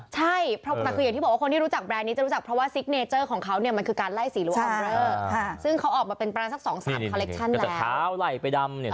ใช่อย่างที่บอกว่าคนที่รู้จักแบรนด์นี้จะรู้จักเพราะว่า